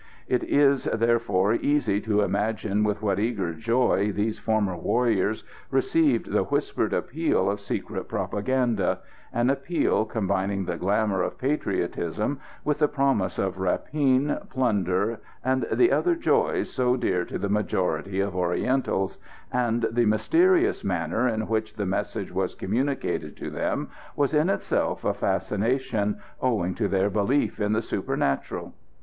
It is, therefore, easy to imagine with what eager joy these former warriors received the whispered appeal of secret propaganda an appeal combining the glamour of patriotism with the promise of rapine, plunder, and the other joys so dear to the majority of Orientals and the mysterious manner in which the message was communicated to them was in itself a fascination owing to their belief in the supernatural.